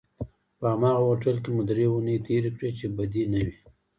په هماغه هوټل کې مو درې اونۍ تېرې کړې چې بدې نه وې.